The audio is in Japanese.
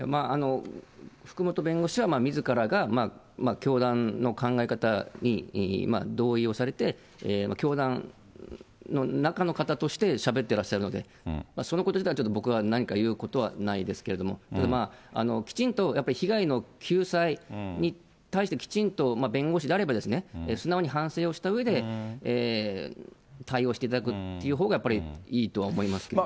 福本弁護士は、みずからが教団の考え方に同意をされて、教団の中の方としてしゃべってらっしゃるので、そのこと自体僕は何か言うことはないですけれども、きちんとやっぱり被害の救済に対して、きちんと弁護士であれば、素直に反省をしたうえで、対応していただくというほうがやっぱりいいとは思いますけど。